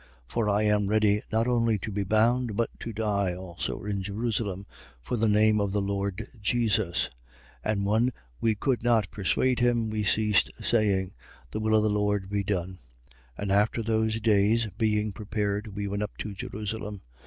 For I am ready not only to be bound, but to die also in Jerusalem, for the name of the Lord Jesus. 21:14. And when we could not persuade him, we ceased, saying: The will of the Lord be done. 21:15. And after those days, being prepared, we went up to Jerusalem.